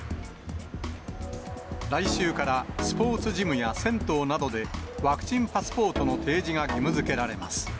来週からスポーツジムや銭湯などで、ワクチンパスポートの提示が義務づけられます。